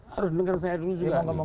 harus dengar saya dulu juga